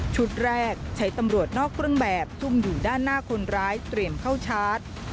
แรกใช้ตำรวจนอกเครื่องแบบซุ่มอยู่ด้านหน้าคนร้ายเตรียมเข้าชาร์จ